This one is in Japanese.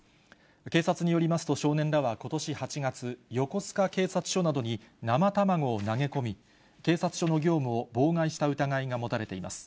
警察によりますと、少年らはことし８月、横須賀警察署などに生卵を投げ込み、警察署の業務を妨害した疑いが持たれています。